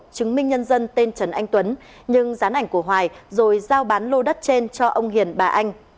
chứng minh nhân dân tên trần anh tuấn nhưng dán ảnh của hoài rồi giao bán lô đất trên cho ông hiền bà anh